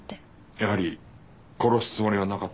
やはり殺すつもりはなかったんですね。